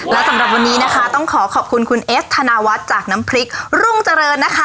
และสำหรับวันนี้นะคะต้องขอขอบคุณคุณเอสธนาวัฒน์จากน้ำพริกรุ่งเจริญนะคะ